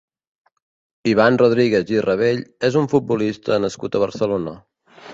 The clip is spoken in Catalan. Iván Rodríguez i Rabell és un futbolista nascut a Barcelona.